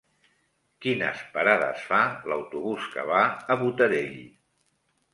Quines parades fa l'autobús que va a Botarell?